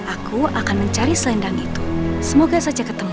aku akan mencari selendang itu semoga saja ketemu